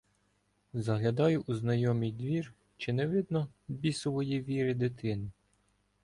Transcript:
Заглядаю у знайомий двір, чи не видно "бісової віри дитини".